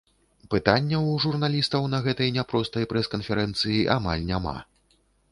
Пытанняў у журналістаў на гэтай няпростай прэс-канферэнцыі амаль няма.